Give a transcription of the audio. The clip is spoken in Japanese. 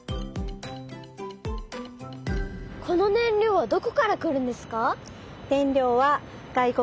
この燃料はどこから来るんですか？